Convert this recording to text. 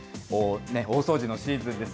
大掃除のシーズンです。